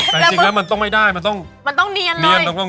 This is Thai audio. แต่จริงแล้วมันไม่ได้มันต้องเคลื่อน